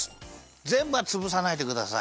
ぜんぶはつぶさないでください。